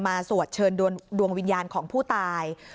สวดเชิญดวงวิญญาณของผู้ตาย